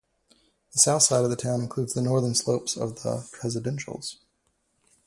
The south side of the town includes the northern slopes of the Presidentials.